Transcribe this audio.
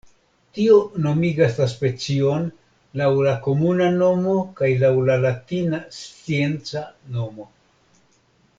Tio nomigas la specion laŭ la komuna nomo kaj laŭ la latina scienca nomo.